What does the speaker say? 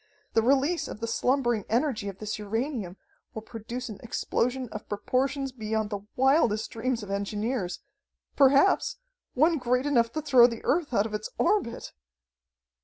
The release of the slumbering energy of this uranium will produce an explosion of proportions beyond the wildest dreams of engineers perhaps, one great enough to throw the Earth out of its orbit!"